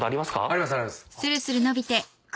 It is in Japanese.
ありますあります。